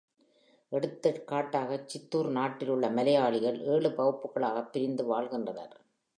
எடுத்துக்காட்டாகச் சித்தூர் நாட்டிலுள்ள மலையாளிகள் ஏழு வகுப்புகளாகப் பிரிந்து வாழ்கின்றனர்.